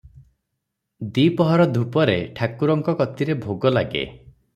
ଦିପହର ଧୂପରେ ଠାକୁରଙ୍କ କତିରେ ଭୋଗ ଲାଗେ ।